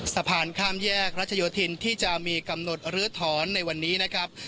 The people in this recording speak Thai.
สะพานข้ามแยกรัชโยธินที่จะมีกำหนดลื้อถอนในวันนี้นะครับ